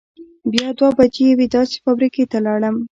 بیا دوه بجې یوې داسې فابرېکې ته لاړم.